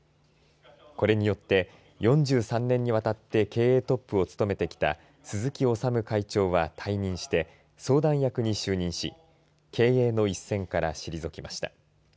これによって４３年にわたって経営トップを務めてきた鈴木修会長は退任して相談役に就任し経営の一線から退きました。